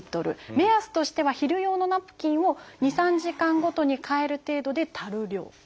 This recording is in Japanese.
目安としては昼用のナプキンを２３時間ごとに替える程度で足る量。